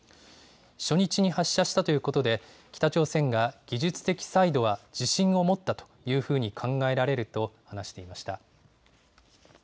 初日に発射したということで、北朝鮮が技術的サイドは自信を持ったというふうに考えられると話していました。